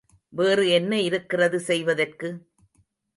வேறு என்ன இருக்கிறது செய்வதற்கு?